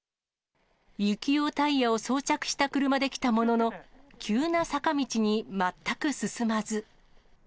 雪用タイヤを装着した車で来たものの、急な坂道に全く進まず。